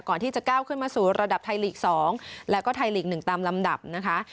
ก่อนที่จะก้าวขึ้นมาสู่ระดับไทยลีก๒แล้วก็ไทยลีก๑ตามลำดับนะคะ